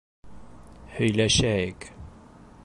Һөйләшәйек...